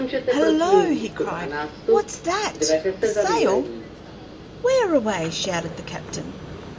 "Hello!" he cried. "What's that? A sail?" "Where away?" shouted the captain.